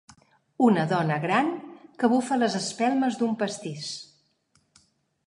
Una dona gran, que bufa les espelmes d'un pastís.